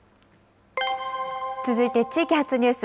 続いて地域発ニュース。